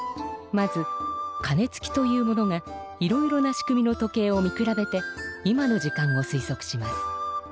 まず「かねつき」という者がいろいろな仕組みの時計を見くらべて今の時間をすいそくします。